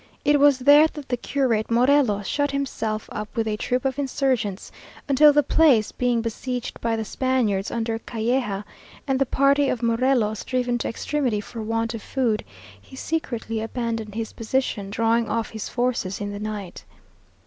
It was there that the curate Morelos shut himself up with a troop of insurgents, until the place being besieged by the Spaniards under Calleja, and the party of Morelos driven to extremity for want of food, he secretly abandoned his position, drawing off his forces in the night.